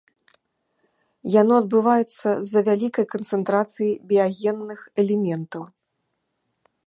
Яно адбываецца з-за вялікай канцэнтрацыі біягенных элементаў.